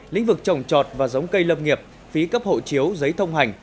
lĩnh vực trồng trọt và giống cây lâm nghiệp phí cấp hộ chiếu giấy thông hành